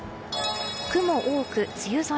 雲多く梅雨空。